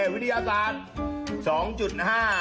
วิทยาศาสตร์๒๕